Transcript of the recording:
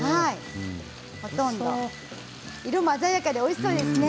ほとんど色も鮮やかでおいしそうですね。